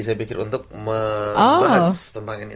saya pikir untuk membahas tentang ini